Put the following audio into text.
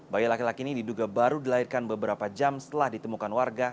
bayi laki laki ini diduga baru dilahirkan beberapa jam setelah ditemukan warga